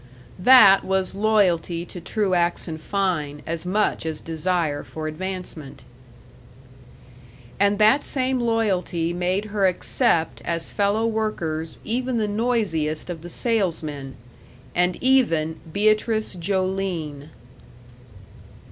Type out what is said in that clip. That was loyalty to Truax & Fein as much as desire for advancement. And that same loyalty made her accept as fellow workers even the noisiest of the salesmen and even Beatrice Joline.